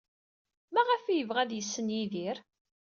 Maɣef ay yebɣa ad yessen Yidir?